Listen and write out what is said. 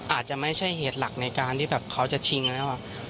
อาจจะไม่ใช่เหตุหลักในการที่แบบเขาจะชิงแล้ว